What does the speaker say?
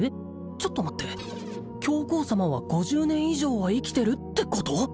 ちょっと待って教皇様は５０年以上は生きてるってこと？